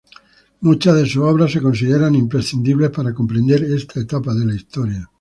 Muchas de sus obras se consideran imprescindibles para comprender esta etapa de la historia.